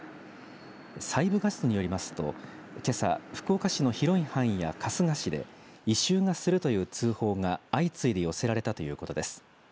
西部ガスによりますとけさ、福岡市の広い範囲や春日市で異臭がするという通報が相次いで寄せられたということです。